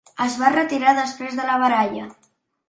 Es va retirar després de la baralla.